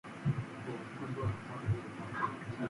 It is the recorded amount of alcohol consumed per capita.